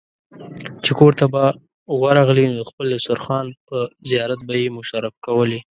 چې کورته به ورغلې نو د خپل دسترخوان په زيارت به يې مشرف کولې.